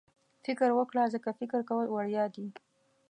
فکر وکړه ځکه فکر کول وړیا دي.